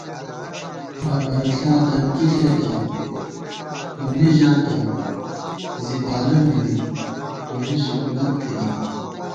نہ مَنِݪا دَمکی ݪېتہ، سومّی ژاتہ ، زی بالہ نوری تونی سکُونت تھنی